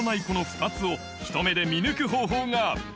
この２つをひと目で見抜く方法が。